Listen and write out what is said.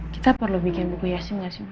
kita perlu bikin buku yasin gak sih mbak